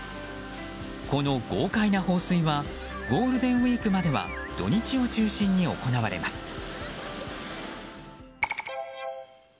この豪快な放水はゴールデンウィークまでは土日を中心に行われます。